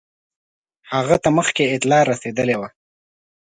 هغه ته مخکي اطلاع رسېدلې وه.